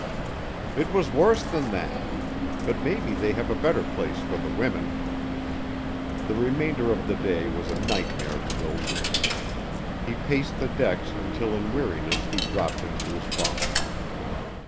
"It was worse than that. But maybe they have a better place for the women." The remainder of the day was a nightmare to Wilson. He paced the decks until in weariness he dropped into his bunk.